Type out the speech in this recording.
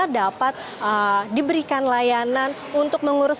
dapat diberikan layanan untuk mengurus